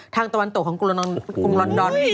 ตะวันตกของกรุงลอนดอน